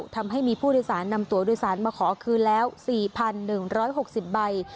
ทำให้มีผู้โดยสารนำตัวโดยสารมาขอคืนแล้ว๔๑๖๐ใบ